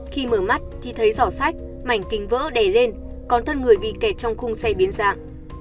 khi mở mắt thì thấy giỏ sách mảnh kinh vỡ đè lên còn thân người bị kẹt trong khung xe biến dạng